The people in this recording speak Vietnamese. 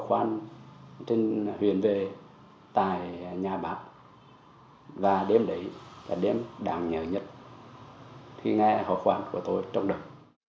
hò khoan trên huyền về tại nhà bạc và đêm đấy là đêm đáng nhớ nhất khi nghe hò khoan của tôi trong đồng